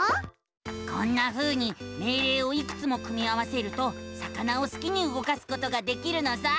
こんなふうに命令をいくつも組み合わせると魚をすきに動かすことができるのさ！